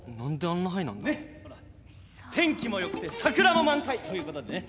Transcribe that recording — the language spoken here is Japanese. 天気も良くて桜も満開ということでね